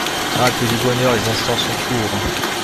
Ah! que du bonheur les instants sont courts !